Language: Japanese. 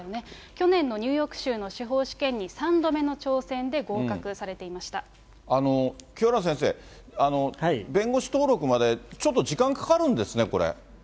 去年のニューヨーク州の司法試験に３度目の挑戦で合格されていま清原先生、弁護士登録までちょっと時間かかるんですね、これ。